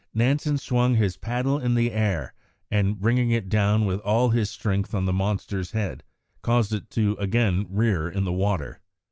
Nansen swung his paddle in the air, and bringing it down with all his strength on the monster's head, caused it again to rear in the water.